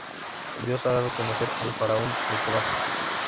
Dios ha dado a conocer al Faraón lo que va a hacer.